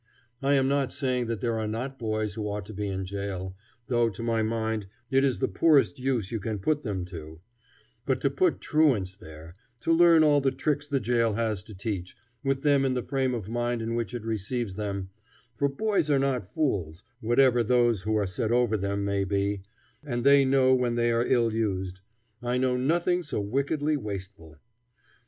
I am not saying that there are not boys who ought to be in jail, though to my mind it is the poorest use you can put them to; but to put truants there, to learn all the tricks the jail has to teach, with them in the frame of mind in which it receives them, for boys are not fools, whatever those who are set over them may be, and they know when they are ill used, I know of nothing so wickedly wasteful.